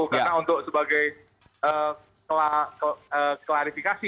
karena untuk sebagai klarifikasi